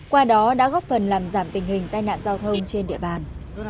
qua đó đã góp phần làm giảm tình hình tai nạn giao thông trên địa bàn